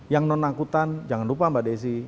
yang non angkutan jangan lupa mbak desi